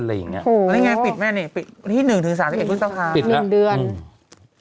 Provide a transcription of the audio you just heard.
เนี่ยปิดมั้ย๑๑๓๑พฤษภาพ